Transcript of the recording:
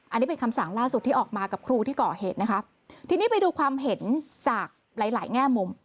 อันนี้เป็นคำสั่งล่าสุดที่ออกมากับครูที่ก่อเหตุนะคะทีนี้ไปดูความเห็นจากหลายหลายแง่มุม